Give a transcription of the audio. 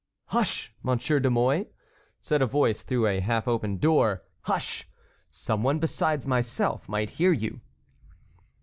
"Hush, Monsieur de Mouy!" said a voice through a half open door; "hush! some one besides myself might hear you."